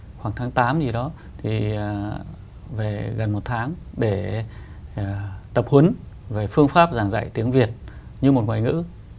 vào mùa hè khoảng tháng tám gì đó thì về gần một tháng để tập huấn về phương pháp giảng dạy tiếng việt như một ngoài ngữ